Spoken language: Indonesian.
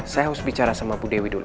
saya harus bicara sama bu dewi dulu